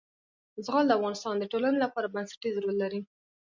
زغال د افغانستان د ټولنې لپاره بنسټيز رول لري.